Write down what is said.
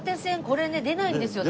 これね出ないんですよ